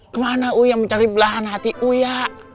kemana uya mencari belahan hati uya